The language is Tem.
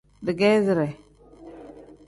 Digeezire.